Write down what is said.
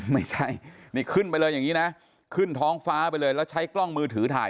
ไม่ใช่นี่ขึ้นไปเลยอย่างนี้นะขึ้นท้องฟ้าไปเลยแล้วใช้กล้องมือถือถ่าย